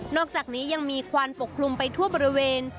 อกจากนี้ยังมีควันปกคลุมไปทั่วบริเวณ